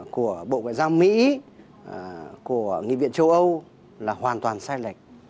của bộ ngoại giao mỹ của nghị viện châu âu là hoàn toàn sai lệch